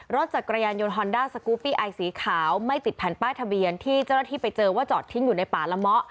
รถจักรยานยนต์ฮอนด้าสกูปปี้ไอสีขาวไม่ติดแผ่นป้ายทะเบียนที่เจ้าหน้าที่ไปเจอว่าจอดทิ้งอยู่ในป่าละเมาะ